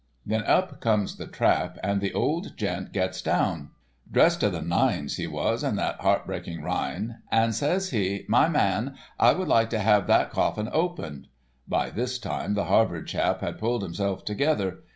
Then up comes the trap, and the old gent gets down—dressed up to the nines he was, in that heartbreaking ryne—and says he, 'My man, I would like to have that coffin opened.' By this time the Harvard chap had pulled himself together.